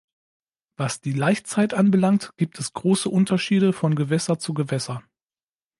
Was die Laichzeit anbelangt, gibt es große Unterschiede von Gewässer zu Gewässer.